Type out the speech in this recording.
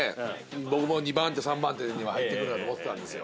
僕も２番手３番手には入ってくるなと思ってたんですよ。